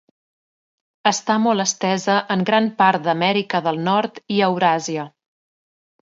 Està molt estesa en gran part d'Amèrica del Nord i Euràsia.